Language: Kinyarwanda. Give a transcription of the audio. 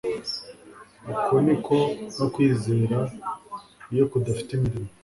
uko ni ko no kwizera iyo kudafite imirimo